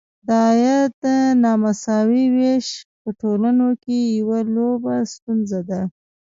د عاید نامساوي ویش په ټولنو کې یوه لویه ستونزه ده.